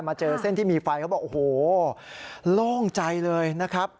เจอเส้นที่มีไฟเขาบอกโอ้โหโล่งใจเลยนะครับ